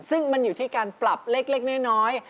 ซึ่งมันอยู่ที่การปรับเล็กน้อย